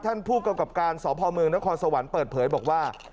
ท่านผู้กำกับการสพเมืองนครสวรรค์เปิดเผยบอกว่า